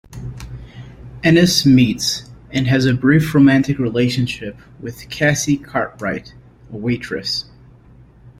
Ennis meets and has a brief romantic relationship with Cassie Cartwright, a waitress.